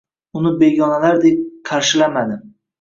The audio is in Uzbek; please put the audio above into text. uni begonalardek qarshilamadi.